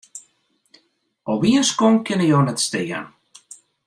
Op ien skonk kinne jo net stean.